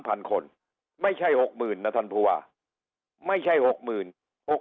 พันคนไม่ใช่หกหมื่นนะท่านผู้ว่าไม่ใช่หกหมื่นหก